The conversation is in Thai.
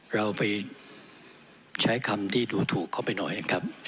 เราไปใช้คำที่ดูถูกเข้าไปหน่อยนะครับ